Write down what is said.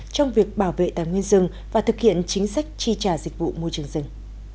trong việc bảo vệ tài nguyên rừng và thực hiện chính sách tri trả dịch vụ môi trường rừng